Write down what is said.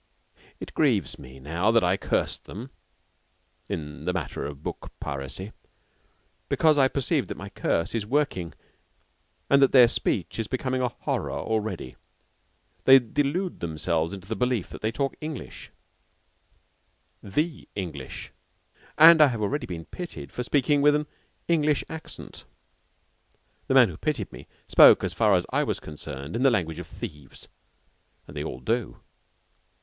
It grieves me now that I cursed them (in the matter of book piracy), because I perceived that my curse is working and that their speech is becoming a horror already. They delude themselves into the belief that they talk English the English and I have already been pitied for speaking with "an English accent." The man who pitied me spoke, so far as I was concerned, the language of thieves. And they all do.